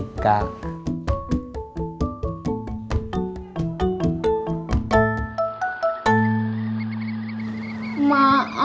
kan udah dibeliin sama neng rika